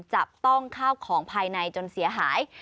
จับต้องข้าวของภายในจนเสียหาย